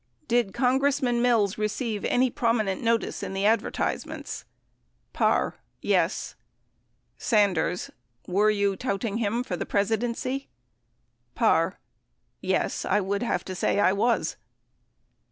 Did Congressman Mills receive any prominent notice in the advertisements ? Parr. Yes. $^* sfc * Sanders. Were yon touting him for the Presidency ? Parr. Yes ; I would have to say I was.